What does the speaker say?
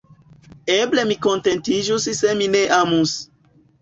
Eble mi kontentiĝus se mi ne amus.